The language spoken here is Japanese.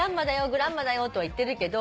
グランマだよとは言ってるけど。